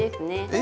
え⁉